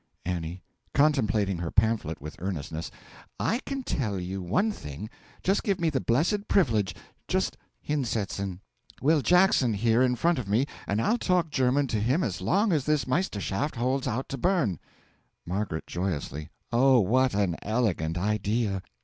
A. (Contemplating her pamphlet with earnestness.) I can tell you one thing. Just give me the blessed privilege: just hinsetzen Will Jackson here in front of me, and I'll talk German to him as long as this Meisterschaft holds out to burn. M. (Joyously.) Oh, what an elegant idea!